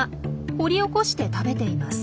掘り起こして食べています。